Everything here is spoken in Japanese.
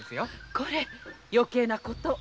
これ余計な事を。